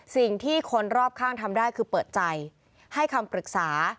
สิ่งที่คนรอบข้างทำได้คือเปิดใจให้คำปรึกษา